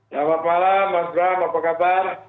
selamat malam mas bram apa kabar